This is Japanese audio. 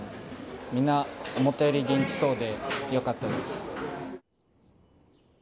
みんな思ったより元気そうでよかったです。